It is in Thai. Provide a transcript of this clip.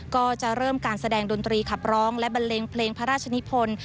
ก็จะเริ่มการแสดงดนตรีขับร้องและบันเลงเพลงพระราชนิพล